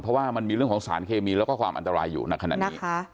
เพราะว่ามันมีเรื่องของสารเคมีแล้วก็ความอันตรายอยู่ในขณะนี้